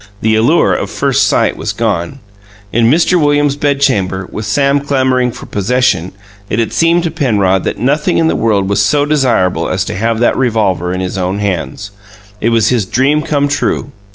The allure of first sight was gone. In Mr. Williams' bedchamber, with Sam clamouring for possession, it had seemed to Penrod that nothing in the world was so desirable as to have that revolver in his own hands it was his dream come true.